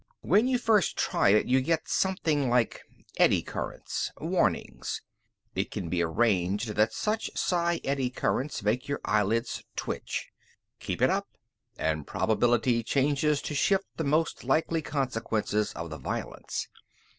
When you first try it you get something like eddy currents. Warnings. It can be arranged that such psi eddy currents make your eyelids twitch. Keep it up, and probability changes to shift the most likely consequences of the violence.